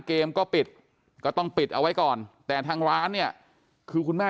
เกมก็ปิดก็ต้องปิดเอาไว้ก่อนแต่ทางร้านเนี่ยคือคุณแม่